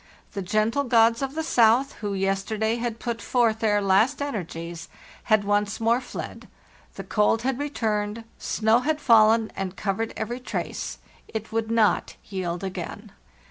The gentle gods of the south, who yesterday had put forth their last energies, had once more fled; the cold had returned, snow had fallen and covered every trace: it would not yield again.